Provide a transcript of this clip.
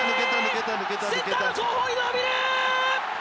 センターの後方に伸びる！